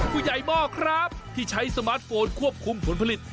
หม้อครับที่ใช้สมาร์ทโฟนควบคุมผลผลิต